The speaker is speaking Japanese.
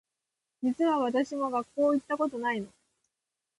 実は私も学校行ったことないの